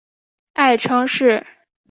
爱称是。